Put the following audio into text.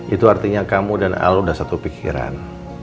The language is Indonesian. itu artinya kamu dan al sudah satu pikiran